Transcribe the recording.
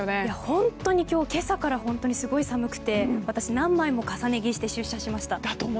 本当に今朝からすごい寒くて私、何枚も重ね着して出社しました。